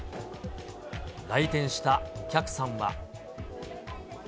来店したお客さんは。